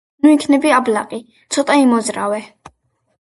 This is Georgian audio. ნუ იქნები აბლაყი, ცოტა იმოძრავე.